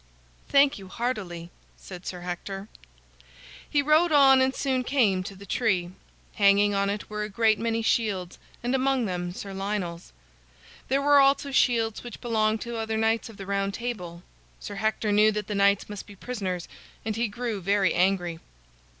"Thank you heartily," said Sir Hector. He rode on and soon came to the tree. Hanging on it were a great many shields, and among them Sir Lionel's. There were also shields which belonged to other knights of the Round Table. Sir Hector knew that the knights must be prisoners, and he grew very angry.